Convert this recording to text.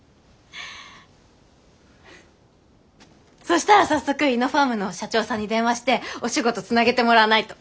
そしたら早速イノファームの社長さんに電話してお仕事つなげてもらわないと。